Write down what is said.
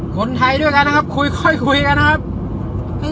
คนไทยด้วยกันนะครับคุยค่อยคุยกันนะครับ